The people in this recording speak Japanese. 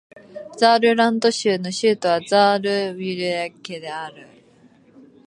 ザールラント州の州都はザールブリュッケンである